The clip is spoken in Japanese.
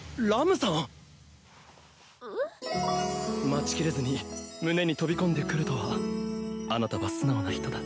待ちきれずに胸に飛び込んでくるとはあなたは素直な人だ。